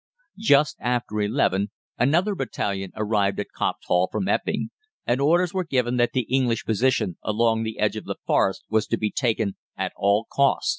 "Just after eleven another battalion arrived at Copped Hall from Epping, and orders were given that the English position along the edge of the Forest was to be taken at all cost.